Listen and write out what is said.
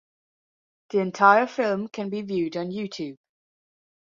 The entire film can be viewed on YouTube.